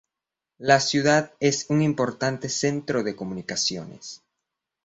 La ciudad es un importante centro de comunicaciones.